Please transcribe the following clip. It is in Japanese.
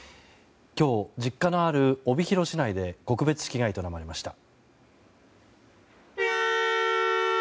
今日、実家のある帯広市内で告別式が営まれました。